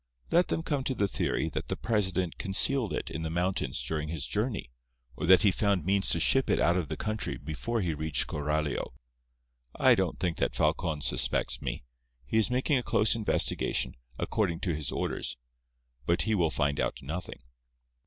Let them come to the theory that the president concealed it in the mountains during his journey, or that he found means to ship it out of the country before he reached Coralio. I don't think that Falcon suspects me. He is making a close investigation, according to his orders, but he will find out nothing."